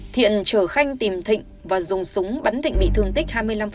thiện chở khanh tìm thịnh và dùng súng bắn thịnh bị thương tích hai mươi năm